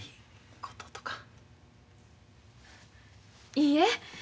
いいえ。